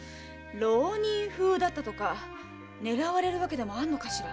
浪人だったとか狙われる訳でもあるのかしら。